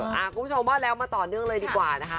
คุณผู้ชมว่าแล้วมาต่อเนื่องเลยดีกว่านะคะ